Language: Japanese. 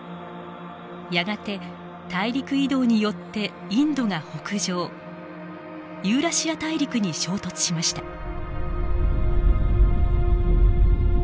やがて大陸移動によってインドが北上ユーラシア大陸に衝突しました。